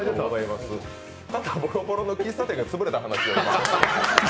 ボロボロの喫茶店が潰れた話。